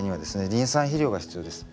リン酸肥料が必要です。